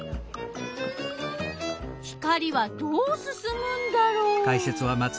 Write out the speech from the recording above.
光はどうすすむんだろう？